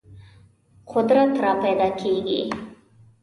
قدرت راپیدا کېږي.